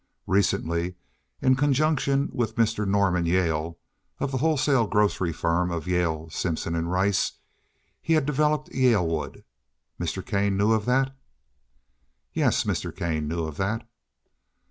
Recently, in conjunction with Mr. Norman Yale, of the wholesale grocery firm of Yale, Simpson & Rice, he had developed "Yalewood." Mr. Kane knew of that? Yes, Mr. Kane knew of that.